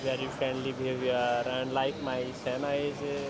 semua orang berkelakuan yang baik dan seperti sena saya